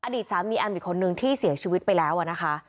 อดีตสามีแอมอีกคนนึงที่เสียชีวิตไปแล้วนะคะ